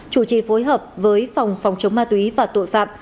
chủ trì phối hợp với phòng phòng chống ma túy và tội phạm